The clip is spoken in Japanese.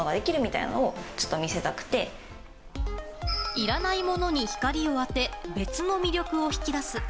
いらないものに光を当て別の魅力を引き出す。